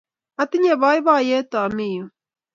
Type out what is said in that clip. Atinye poipoiyet aami yu